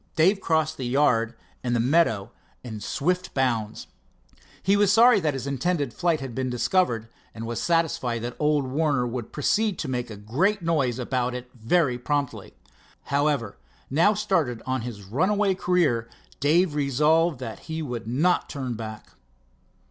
Dave crossed the yard and the meadow in swift bounds. He was sorry that his intended flight had been discovered, and was satisfied that old Warner would proceed to make a great noise about it very promptly. However, now started on his runaway career, Dave resolved that he would not turn back.